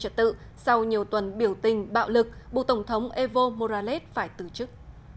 trật tự sau nhiều tuần biểu tình bạo lực buộc tổng thống evo morales phải từ chức